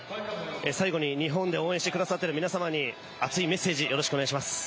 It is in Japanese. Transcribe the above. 最後に日本で応援してくださっている皆様に熱いメッセージよろしくお願いします。